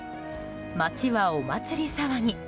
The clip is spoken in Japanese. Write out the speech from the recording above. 街はお祭り騒ぎ。